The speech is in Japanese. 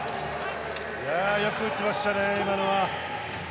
よく打ちましたね、今のは。